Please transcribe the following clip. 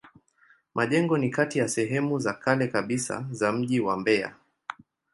Majengo ni kati ya sehemu za kale kabisa za mji wa Mbeya.